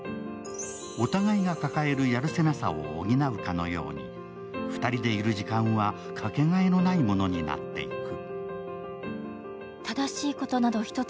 お互いが抱えるやるせなさを補うかのように２人でいる時間はかけがえのないものになっていく。